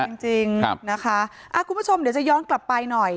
จริงจริงครับนะคะคุณผู้ชมเดี๋ยวจะย้อนกลับไปหน่อย